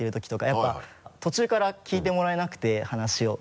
やっぱり途中から聞いてもらえなくて話を。